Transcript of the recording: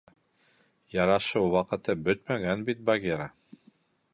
— Ярашыу ваҡыты бөтмәгән бит, Багира.